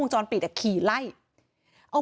เหตุการณ์เกิดขึ้นแถวคลองแปดลำลูกกา